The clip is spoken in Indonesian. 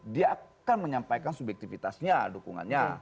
dia akan menyampaikan subjektivitasnya dukungannya